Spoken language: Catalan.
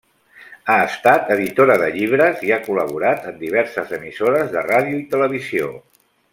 Ha estat editora de llibres i ha col·laborat en diverses emissores de ràdio i televisió.